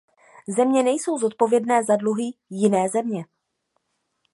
Země nejsou zodpovědné za dluhy jiné země.